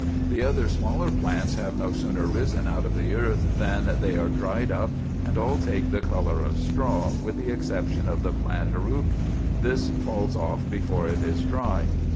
The other smaller plants have no sooner risen out of the earth than they are dried up, and all take the colour of straw, with the exception of the plant harack; this falls off before it is dry.